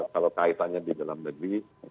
kalau kaitannya di dalam negeri